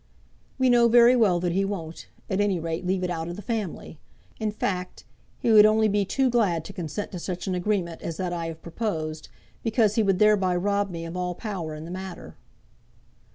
"We know very well that he won't, at any rate, leave it out of the family. In fact, he would only be too glad to consent to such an agreement as that I have proposed, because he would thereby rob me of all power in the matter."